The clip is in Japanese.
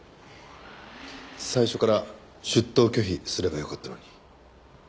最初から出頭拒否すればよかったのに。